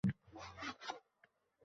Hamma joyda, iste'dod - kamdan-kamlik.